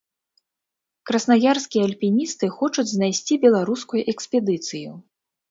Краснаярскія альпіністы хочуць знайсці беларускую экспедыцыю.